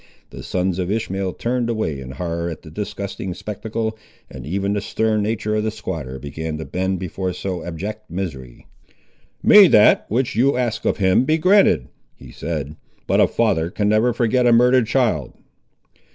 The sons of Ishmael turned away in horror at the disgusting spectacle, and even the stern nature of the squatter began to bend before so abject misery. "May that, which you ask of Him, be granted," he said; "but a father can never forget a murdered child."